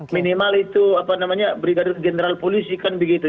minimal itu brigadir general polisi kan begitu